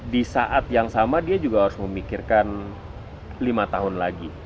di saat yang sama dia juga harus memikirkan lima tahun lagi